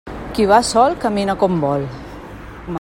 Qui va sol, camina com vol.